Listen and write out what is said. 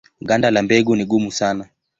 Ganda la mbegu ni gumu sana.